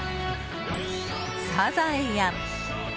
サザエや。